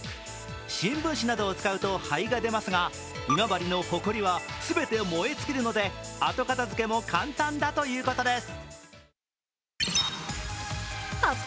新聞紙などを使うと灰が出ますが今治のホコリは全て燃え尽きるので、後片づけも簡単だということです。